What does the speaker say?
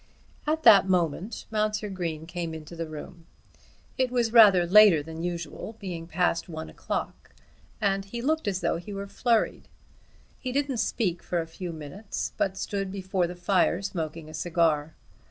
At that moment Mounser Green came into the room. It was rather later than usual, being past one o'clock; and he looked as though he were flurried. He didn't speak for a few minutes, but stood before the fire smoking a cigar.